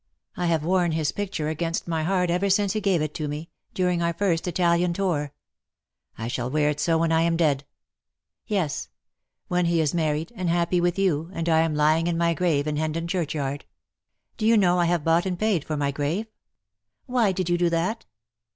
" I have worn his picture against my heart ever since he gave it me — during our first Italian tour. I shall wear it so when I am dead. Yes — when he is married, and happy with you, and 1 am lying in my grave in Hendon Churchyard. Do you know I have bought and paid for my grave ?" "Why did you do that?"